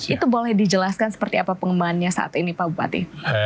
itu boleh dijelaskan seperti apa pengembangannya saat ini pak bupati